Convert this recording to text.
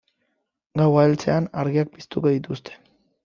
Gaua heltzean argiak piztuko dituzte.